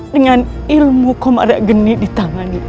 dengan ilmu komaregeni di tangannya